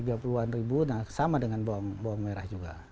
tiga puluh an ribu nah sama dengan bawang merah juga